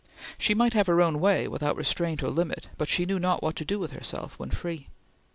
She might have her own way, without restraint or limit, but she knew not what to do with herself when free.